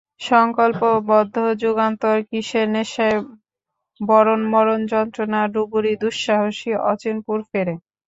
সংকল্প, বদ্ধ, যুগান্তর, কিসের নেশায়, বরণ, মরণ-যন্ত্রণা, ডুবুরি, দুঃসাহসী, অচিনপুর, ফেড়ে।